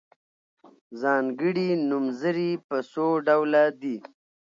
ځانګړي نومځري په څو ډوله دي.